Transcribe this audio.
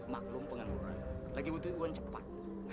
maklum pengangguran lagi butuh uang cepat